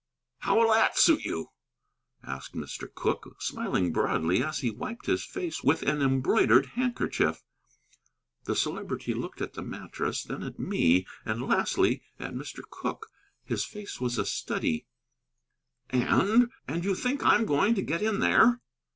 "How will that suit you?" asked Mr. Cooke, smiling broadly as he wiped his face with an embroidered handkerchief. The Celebrity looked at the mattress, then at me, and lastly at Mr. Cooke. His face was a study: "And And you think I am going to get in there?"